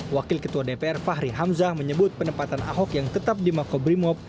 wakil ketua dpr fahri hamzah menyebut penempatan ahok yang tetap di makobrimob